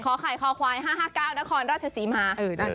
ไข่คอควาย๕๕๙นครราชศรีมา